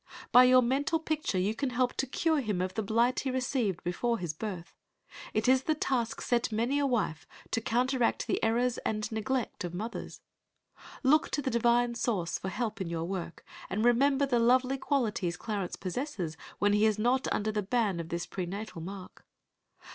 By your mental picture you can help to cure him of the blight he received before his birth. It is the task set many a wife, to counteract the errors and neglect of mothers. Look to the Divine source for help in your work, and remember the lovely qualities Clarence possesses when he is not under the ban of this prenatal mark.